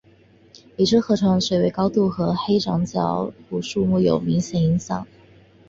已知河床的水位高度对黑长脚鹬数目有明显影响。